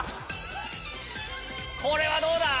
これはどうだ？